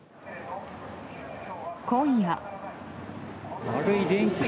今夜。